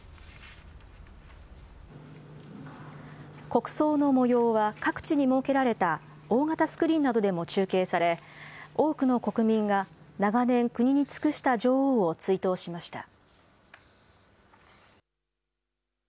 国葬のもようは各地に設けられた大型スクリーンなどでも中継され、多くの国民が長年、国に尽くした女王を追悼しました。